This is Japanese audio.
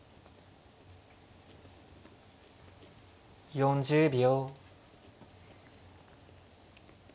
４０秒。